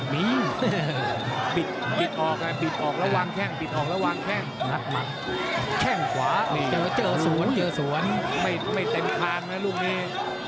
ไม่เต็มทางนะลูกนี้